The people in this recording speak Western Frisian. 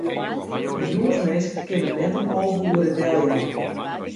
In jûnsminske kin him net om alve oere deljaan.